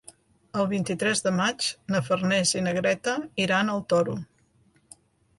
El vint-i-tres de maig na Farners i na Greta iran al Toro.